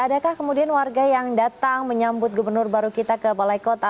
adakah kemudian warga yang datang menyambut gubernur baru kita ke balai kota